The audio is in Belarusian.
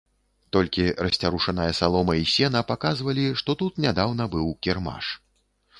Толькі расцярушаная салома і сена паказвалі, што тут нядаўна быў кірмаш.